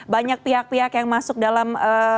banyak pihak pihak yang masuk dalam